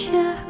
oh iya kenalin